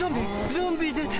ゾンビ出た！